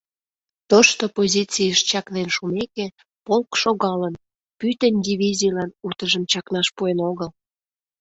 Тошто позицийыш чакнен шумеке, полк шогалын, пӱтынь дивизийлан утыжым чакнаш пуэн огыл.